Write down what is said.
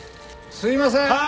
すいませーん！